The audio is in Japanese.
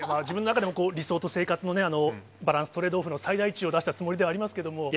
自分の中でも理想と生活のバランスのトレードオフの最大値を出したつもりではありますけれども。